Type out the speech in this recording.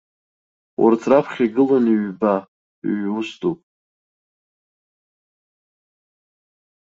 Урҭ раԥхьа игылан ҩба, ҩ-ус дук.